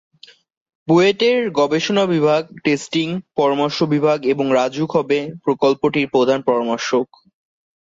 বুয়েটের গবেষণা বিভাগ, টেস্টিং, পরামর্শ বিভাগ এবং রাজউক হবে প্রকল্পটির প্রধান পরামর্শক।